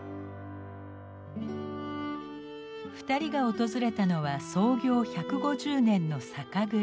２人が訪れたのは創業１５０年の酒蔵。